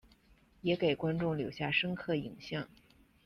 也给观众留下深刻影象。